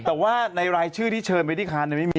แต่ว่าในรายชื่อที่เชิญไปที่คานไม่มี